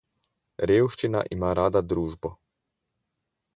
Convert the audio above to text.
Revščina ima rada družbo.